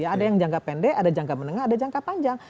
ada yang jangka pendek ada jangka menengah ada jangka panjang